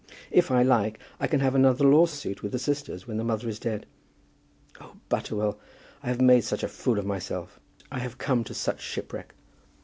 If I like, I can have another lawsuit with the sisters, when the mother is dead. Oh, Butterwell, I have made such a fool of myself. I have come to such shipwreck!